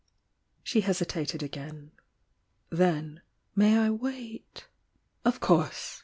She hesitated again. Then; "May I wait " "Of course!"